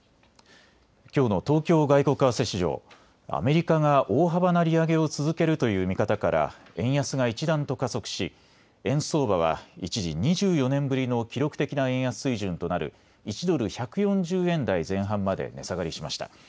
きょうの東京外国為替市場、アメリカが大幅な利上げを続けるという見方から円安が一段と加速し、円相場は一時、２４年ぶりの記録的な円安水準となる１ドル１４０円台前半まで値下がりしました。